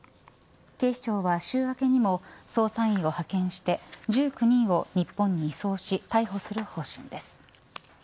警視庁は週明けにも捜査員を派遣して１９人を日本に移送し逮捕する方針です。